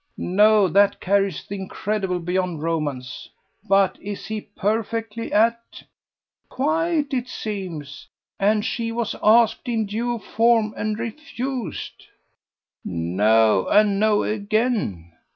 No, that carries the incredible beyond romance. But is he perfectly at ..." "Quite, it seems. And she was asked in due form and refused." "No, and no again!"